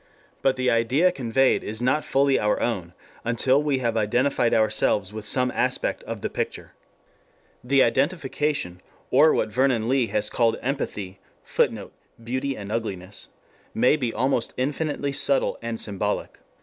But the idea conveyed is not fully our own until we have identified ourselves with some aspect of the picture. The identification, or what Vernon Lee has called empathy, [Footnote: Beauty and Ugliness.] may be almost infinitely subtle and symbolic.